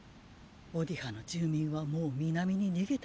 オディハの住民はもう南に逃げたのでしょう。